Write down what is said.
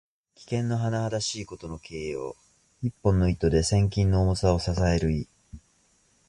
危険のはなはだしいことの形容。一本の糸で千鈞の重さを支える意。